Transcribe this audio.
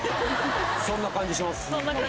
そんな感じします。